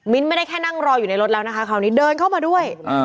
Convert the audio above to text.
ไม่ได้แค่นั่งรออยู่ในรถแล้วนะคะคราวนี้เดินเข้ามาด้วย